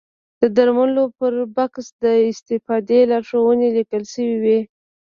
د درملو پر بکس د استفادې لارښوونې لیکل شوې وي.